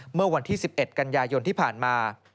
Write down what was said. เมื่อวันที่๑๑กันยายนที่ผ่านมา